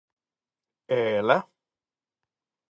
_¿E ela?